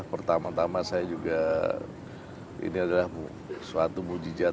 pertama tama saya juga ini adalah suatu mujijat